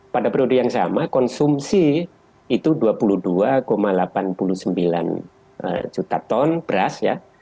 pada periode yang sama konsumsi itu dua puluh dua delapan puluh sembilan juta ton beras ya